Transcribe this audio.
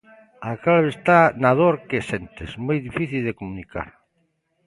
A clave está na dor que sentes, moi difícil de comunicar.